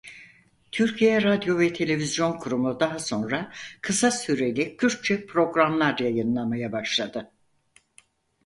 Türkiye Radyo ve Televizyon Kurumu daha sonra kısa süreli Kürtçe programlar yayımlamaya başladı.